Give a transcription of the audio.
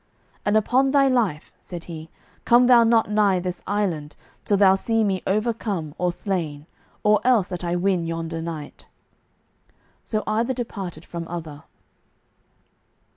"And upon thy life," said he, "come thou not nigh this island till thou see me overcome or slain, or else that I win yonder knight." So either departed from other.